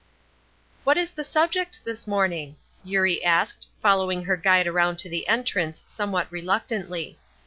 "What is the subject this morning?" Eurie asked, following her guide around to the entrance, somewhat reluctantly.